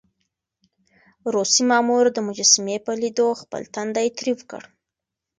روسي مامور د مجسمې په ليدو خپل تندی تريو کړ.